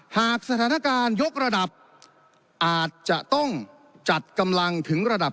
หากสถานการณ์ยกระดับอาจจะต้องจัดกำลังถึงระดับ